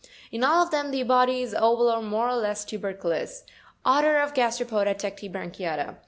In all of them, the body is oval, or more or less tuberculous, ORDER OF GASTEROPODA TECTIBRANCHIATA.